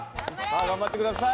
頑張って下さい！